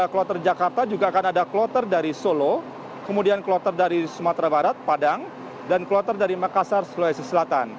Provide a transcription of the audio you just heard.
kloter jakarta juga akan ada kloter dari solo kemudian kloter dari sumatera barat padang dan kloter dari makassar sulawesi selatan